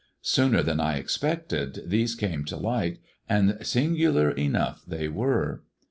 Sooner than I expected these came to light, and singular enough they were.